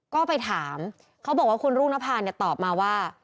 ก็ไปถามเขาบอกว่าคุณรุ่งนภาเนี่ยตอบมาว่า